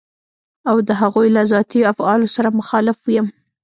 او د هغوی له ذاتي افعالو سره مخالف يم.